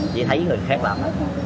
chỉ thấy người khác làm